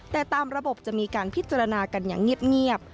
แต่ตามระบบจะมีการพิจารณากันอย่างเงียบ